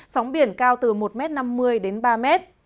sóng biển cao từ một năm mươi m đến ba m